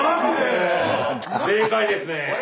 正解ですねえ。